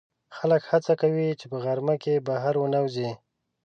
خلک هڅه کوي چې په غرمه کې بهر ونه وځي